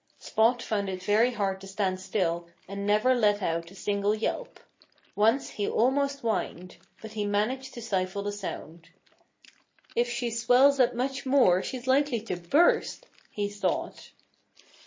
Spot found it very hard to stand still and never let out a single yelp. Once he almost whined. But he managed to stifle the sound. "If she swells up much more she's likely to burst," he thought.